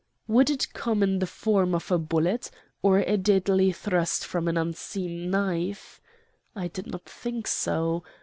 Would it come in the form of a bullet, or a deadly thrust from an unseen knife? I did not think so.